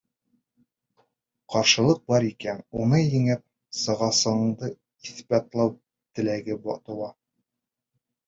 — Ҡаршылыҡ бар икән, уны еңеп сығасағыңды иҫбатлау теләге тыуа.